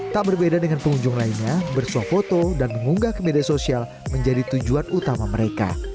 tak berbeda dengan pengunjung lainnya bersuap foto dan mengunggah ke media sosial menjadi tujuan utama mereka